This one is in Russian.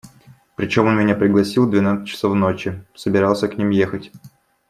Причем он меня пригласил в двенадцать часов ночи, собирался к ним ехать.